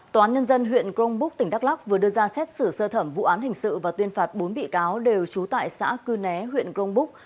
tòa án nhân dân huyện grongbúc tỉnh đắk lóc vừa đưa ra xét xử sơ thẩm vụ án hình sự và tuyên phạt bốn bị cáo đều trú tại xã cư né huyện grongbúc